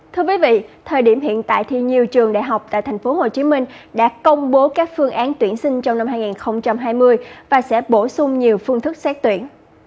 thưa quý vị thời điểm hiện tại thì nhiều trường đại học tại tp hcm đã công bố các phương án tuyển sinh trong năm hai nghìn hai mươi và sẽ bổ sung nhiều phương thức xét tuyển